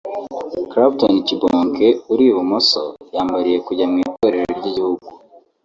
Clapton (Kibonke) uri ibumoso yambariye kujya mu itorero ry'igihugu